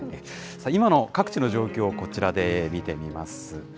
今の各地の状況、こちらで見てみます。